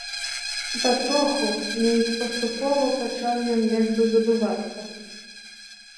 І патроху, нейк паступова пачаў ён як бы забывацца.